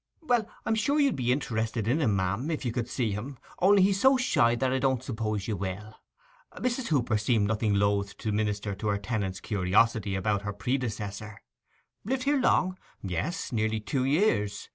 'Well, I'm sure you'd be interested in him, ma'am, if you could see him, only he's so shy that I don't suppose you will.' Mrs. Hooper seemed nothing loth to minister to her tenant's curiosity about her predecessor. 'Lived here long? Yes, nearly two years.